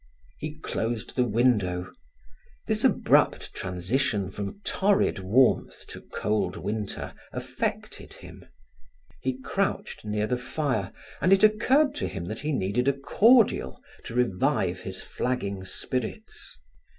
He closed the window. This abrupt transition from torrid warmth to cold winter affected him. He crouched near the fire and it occurred to him that he needed a cordial to revive his flagging spirits.